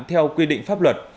theo quy định pháp luật